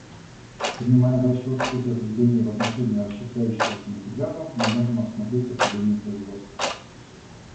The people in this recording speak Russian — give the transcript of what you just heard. Принимая в расчет эти определения в отношении расщепляющегося материала, мы можем рассмотреть определение "производства".